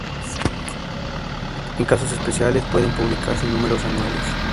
En casos especiales pueden publicarse números anuales.